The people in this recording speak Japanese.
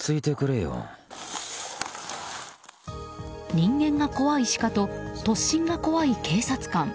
人間が怖いシカと突進が怖い警察官。